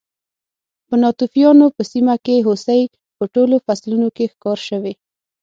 په ناتوفیانو په سیمه کې هوسۍ په ټولو فصلونو کې ښکار شوې